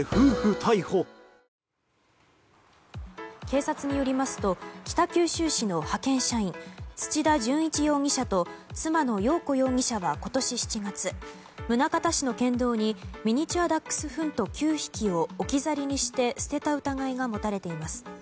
警察によりますと北九州市の派遣社員土田順一容疑者と妻の容子容疑者は今年７月、宗像市の県道にミニチュアダックスフント９匹を置き去りにして捨てた疑いが持たれています。